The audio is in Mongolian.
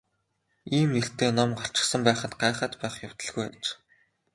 Ийм нэртэй ном гарчихсан байхад гайхаад байх явдалгүй аж.